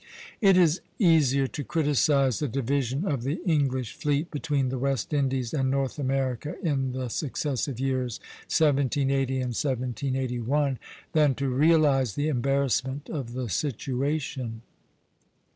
It is easier to criticise the division of the English fleet between the West Indies and North America in the successive years 1780 and 1781, than to realize the embarrassment of the situation.